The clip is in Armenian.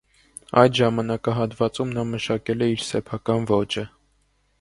Այդ ժամանակահատվածում նա մշակել է իր սեփական ոճը։